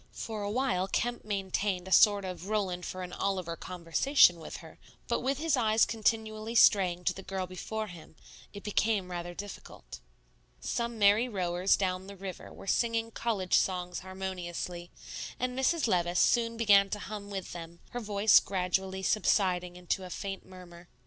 For a while Kemp maintained a sort of Roland for an Oliver conversation with her; but with his eyes continually straying to the girl before him, it became rather difficult. Some merry rowers down the river were singing college songs harmoniously; and Mrs. Levice soon began to hum with them, her voice gradually subsiding into a faint murmur.